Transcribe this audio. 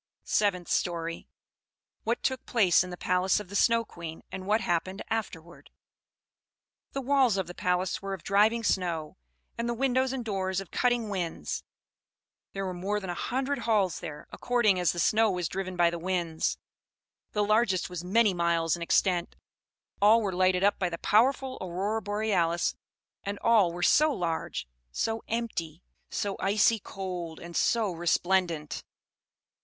SEVENTH STORY. What Took Place in the Palace of the Snow Queen, and what Happened Afterward. The walls of the palace were of driving snow, and the windows and doors of cutting winds. There were more than a hundred halls there, according as the snow was driven by the winds. The largest was many miles in extent; all were lighted up by the powerful Aurora Borealis, and all were so large, so empty, so icy cold, and so resplendent!